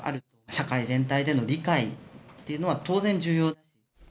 社会全体での理解っていうのは、当然、重要。